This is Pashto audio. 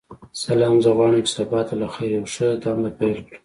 سلام ،زه غواړم چی سبا ته لخیر یوه ښه دنده پیل کړم.